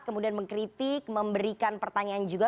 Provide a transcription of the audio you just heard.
kemudian mengkritik memberikan pertanyaan juga